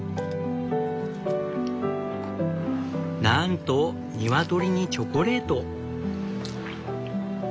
なんとニワトリにチョコレート！